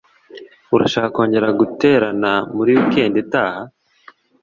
Urashaka kongera guterana muri wikendi itaha?